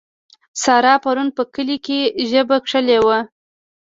سارا پرون په کلي کې ژبه کښلې وه.